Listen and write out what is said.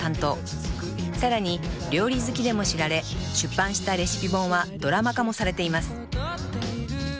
［さらに料理好きでも知られ出版したレシピ本はドラマ化もされています］